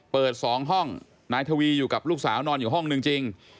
เปิด๒ห้องนายทวีอยู่กับลูกสาวนอนอยู่ห้องนึงจริง